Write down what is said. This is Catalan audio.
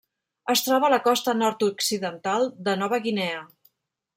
Es troba a la costa nord-occidental de Nova Guinea.